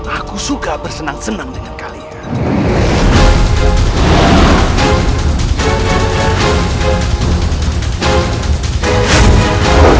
aku suka bersenang senang dengan kalian